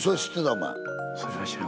お前。